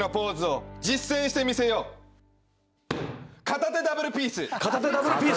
片手ダブルピースだ。